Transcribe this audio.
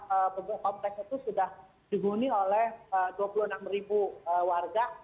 karena kompleks itu sudah diguni oleh dua puluh enam warga